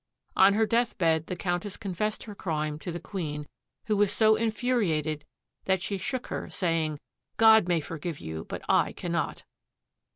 On her deathbed the Countess confessed her crime to the Queen, who was so infuriated that she shook her, saying "God may forgive you, but I cannot."